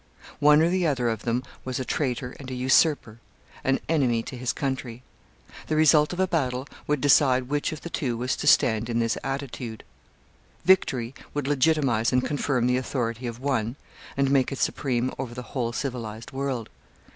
One or the other of them was a traitor and a usurper an enemy to his country. The result of a battle would decide which of the two was to stand in this attitude. Victory would legitimize and confirm the authority of one, and make it supreme over the whole civilized world.